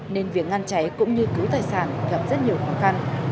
nên việc ngăn cháy cũng như cứu tài sản gặp rất nhiều khó khăn